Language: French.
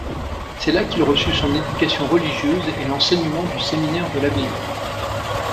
C'est là qu'il reçut son éducation religieuse et l'enseignement du séminaire de l'abbaye.